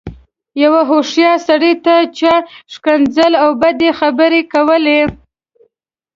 يوه هوښيار سړي ته چا ښکنځلې او بدې خبرې کولې.